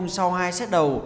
sau hai set đầu